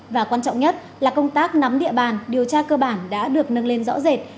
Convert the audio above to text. và quan trọng nhất là công tác nắm địa bàn điều tra cơ bản đã được nâng lên rõ rệt